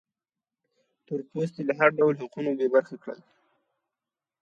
تور پوستي له هر ډول حقونو بې برخې کړل.